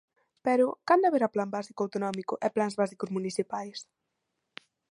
Pero ¿cando haberá Plan básico autonómico e plans básicos municipais?